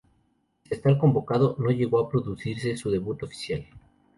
Pese a estar convocado, no llegó a producirse su debut oficial.